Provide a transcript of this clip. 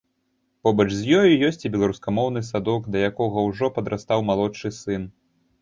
Побач з ёю ёсць і беларускамоўны садок, да якога ўжо падрастаў малодшы сын.